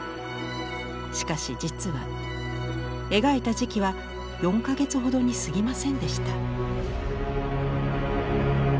しかし実は描いた時期は４か月ほどにすぎませんでした。